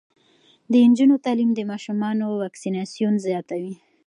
د نجونو تعلیم د ماشومانو واکسیناسیون زیاتوي.